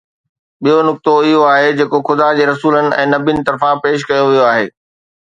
ٻيو نقطو اهو آهي جيڪو خدا جي رسولن ۽ نبين طرفان پيش ڪيو ويو آهي.